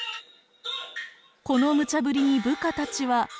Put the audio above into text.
このむちゃぶりに部下たちは。